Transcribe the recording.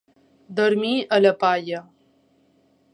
Dormir a la palla.